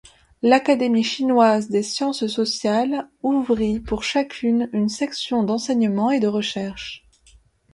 L’Académie chinoise des sciences sociales ouvrit pour chacune une section d’enseignement et de recherche.